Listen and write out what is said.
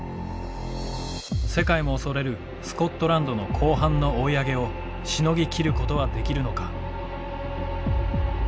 世界も恐れるスコットランドの後半の追い上げをしのぎきることはできるのか。